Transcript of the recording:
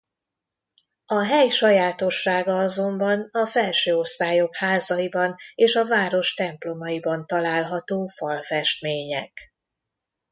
A hely sajátossága azonban a felső osztályok házaiban és a város templomaiban található falfestmények.